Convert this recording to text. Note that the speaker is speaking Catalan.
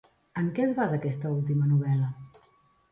En què es basa aquesta última novel·la?